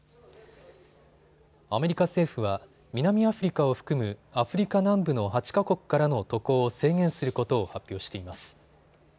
アメリカ政府は南アフリカを含むアフリカ南部の８か国からの渡航を制限することを発表しています。